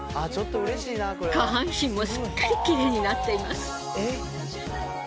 下半身もすっかりきれいになっています。